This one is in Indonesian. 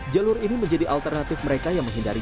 jalur ini menjadi alternatif mereka yang menghindari